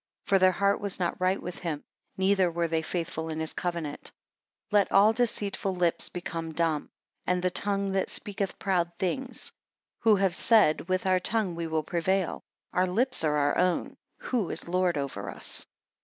For their heart was not right with him, neither were they faithful in his covenant. 17 Let all deceitful lips become dumb, and the tongue that speaketh proud things. Who have said, with our tongue will we prevail; our lips are our own, who is Lord over us?